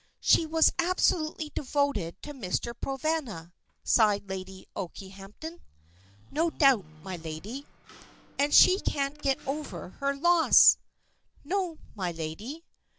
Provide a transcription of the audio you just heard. "She was absolutely devoted to Mr. Provana," sighed Lady Okehampton. "No doubt, my lady." "And she can't get over her loss." "No, my lady."